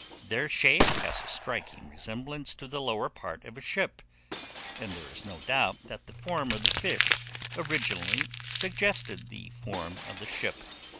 Their shape has a striking resemblance to the lower part of a ship; and there is no doubt that the form of the fish originally suggested the form of the ship.